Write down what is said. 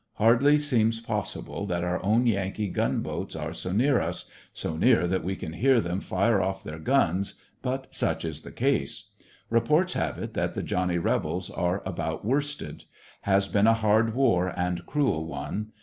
Hardly seems possible that our own Yankee gunboats are so near us, so near that we can hear them fire off their guns, but such is the case Reports have it that the Johnny Rebels are about worsted. Has been a hard war and cruel one.